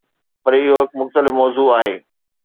پر اهو هڪ مختلف موضوع آهي.